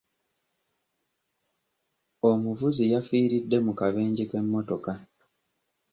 Omuvuzi yafiiridde mu kabenje k'emmotoka.